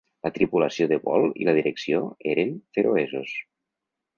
La tripulació de vol i la direcció eren feroesos.